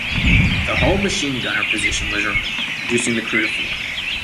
The hull machine gunner position was removed, reducing the crew to four.